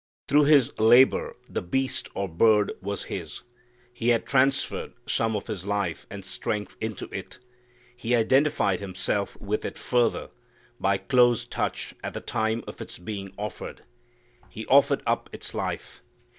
Through his labor the beast or bird was his. He had transferred some of his life and strength into it. He identified himself with it further by close touch at the time of its being offered. He offered up its life.